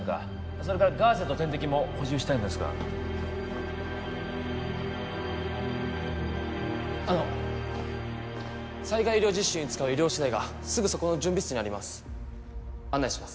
それからガーゼと点滴も補充したいのですがあの災害医療実習に使う医療資材がすぐそこの準備室にあります案内します